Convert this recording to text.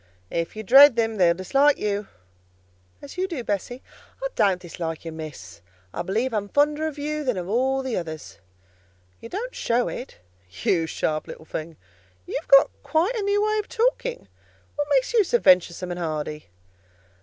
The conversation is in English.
"If you dread them they'll dislike you." "As you do, Bessie?" "I don't dislike you, Miss; I believe I am fonder of you than of all the others." "You don't show it." "You little sharp thing! you've got quite a new way of talking. What makes you so venturesome and hardy?"